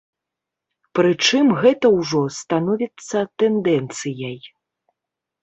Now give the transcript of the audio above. Прычым гэта ўжо становіцца тэндэнцыяй.